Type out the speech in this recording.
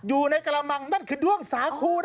อยู่ในกระมังนั่นคือด้วงสาคูนะ